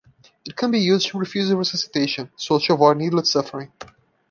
It can be used to refuse resuscitation, so as avoid needless suffering.